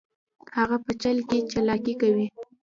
هغه په چل کې چلاکي کوي